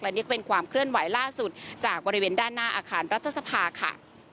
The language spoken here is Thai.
นี่ก็เป็นความเคลื่อนไหวล่าสุดจากบริเวณด้านหน้าอาคารรัฐสภาค่ะ